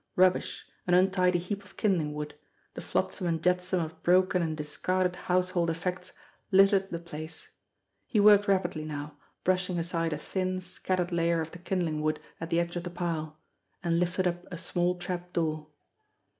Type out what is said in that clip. Rubbish, an untidy heap of kindling wood, the flotsam and jetsam of broken and discarded household effects littered the 292 JIMMIE DALE AND THE PHANTOM CLUE place. He worked rapidly now, brushing aside a thin, scat tered layer of the kindling wood at the edge of the pile and lifted up a small trap door.